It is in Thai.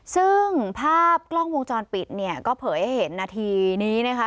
ซึ่งภาพกล้องวงจรปิดเนี่ยก็เผยให้เห็นนาทีนี้นะคะ